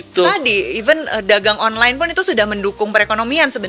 tadi even dagang online pun itu sudah mendukung perekonomian sebenarnya